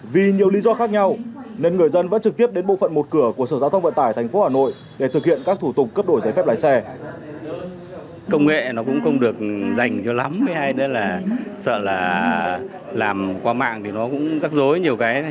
vì nhiều lý do khác nhau nên người dân vẫn trực tiếp đến bộ phận một cửa của sở giao thông vận tải thành phố hà nội